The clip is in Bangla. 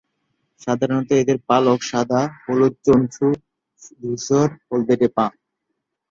সাধারণত এদের পালক সাদা, হলুদ চঞ্চু, ধূসর-হলদেটে পা।